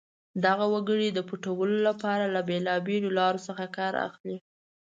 دغه وګړي د پټولو لپاره له بېلابېلو لارو څخه کار اخلي.